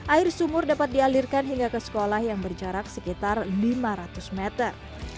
air sumur dapat dialirkan hingga ke sekolah yang berjarak sekitar lima ratus meter